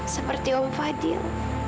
seperti om fadil